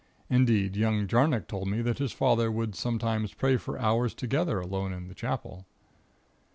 Indeed, young Jarnock told me that his father would sometimes pray for hours together, alone in the Chapel."